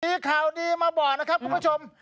มีข่าวดีมาบอกนะครับคุณผู้ชม